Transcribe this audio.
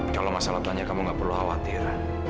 kalau masalah tanya kamu gak perlu khawatir